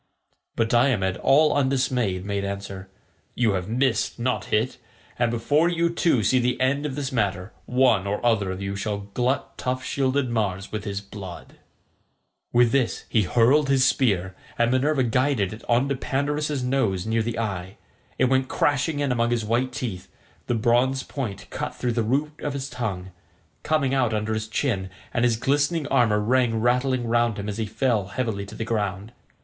But Diomed all undismayed made answer, "You have missed, not hit, and before you two see the end of this matter one or other of you shall glut tough shielded Mars with his blood." With this he hurled his spear, and Minerva guided it on to Pandarus's nose near the eye. It went crashing in among his white teeth; the bronze point cut through the root of his tongue, coming out under his chin, and his glistening armour rang rattling round him as he fell heavily to the ground.